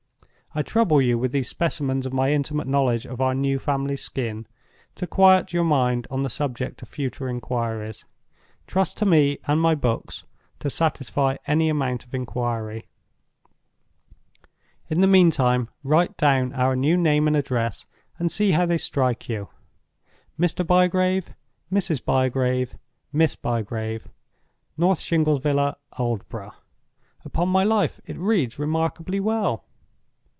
I trouble you with these specimens of my intimate knowledge of our new family Skin, to quiet your mind on the subject of future inquiries. Trust to me and my books to satisfy any amount of inquiry. In the meantime write down our new name and address, and see how they strike you: 'Mr. Bygrave, Mrs. Bygrave, Miss Bygrave; North Shingles Villa, Aldborough.' Upon my life, it reads remarkably well!